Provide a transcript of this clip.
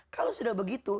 kalau sudah begitu